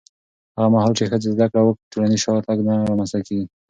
هغه مهال چې ښځې زده کړه وکړي، ټولنیز شاتګ نه رامنځته کېږي.